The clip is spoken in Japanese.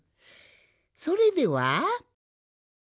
それでは。